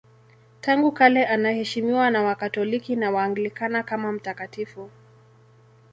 Tangu kale anaheshimiwa na Wakatoliki na Waanglikana kama mtakatifu.